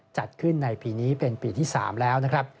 จัดขึ้นในปีนี้เป็นปีที่๓แล้วนะครับ